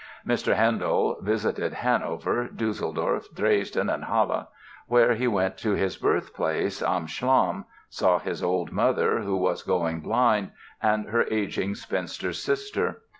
"Mr. Handel" visited Hanover, Düsseldorf, Dresden and Halle, where he went to his birthplace "Am Schlamm", saw his old mother, who was going blind, and her aging spinster sister.